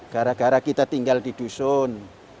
gara gara kita tinggal di dusun